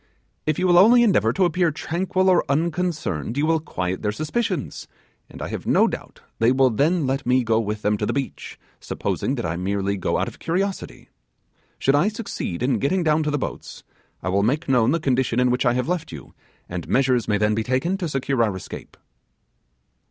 If you will only endeavour to appear tranquil or unconcerned, you will quiet their suspicions, and I have no doubt they will then let me go with them to the beach, supposing that I merely go out of curiosity. Should I succeed in getting down to the boats, I will make known the condition in which I have left you, and measures may then be taken to secure our escape.